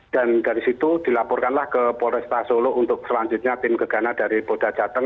dan dari situ dilaporkanlah ke polresta solo untuk selanjutnya tim gegana dari boda jateng